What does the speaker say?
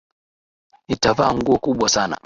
Nitavaa nguo kubwa sana